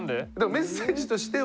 メッセージとしては？